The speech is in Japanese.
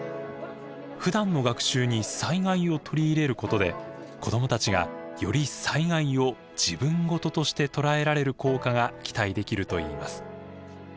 ふだんの学習に災害を取り入れることで子どもたちがより災害を自分事として捉えられる効果が期待できるといいます。